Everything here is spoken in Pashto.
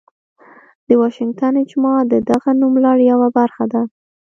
د واشنګټن اجماع د دغه نوملړ یوه برخه ده.